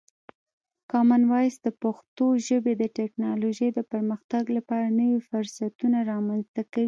کامن وایس د پښتو ژبې د ټکنالوژۍ د پرمختګ لپاره نوی فرصتونه رامنځته کوي.